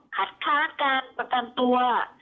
คัดค้านการประกันตัว